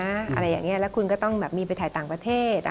อะไรอย่างนี้แล้วคุณก็ต้องแบบมีไปถ่ายต่างประเทศ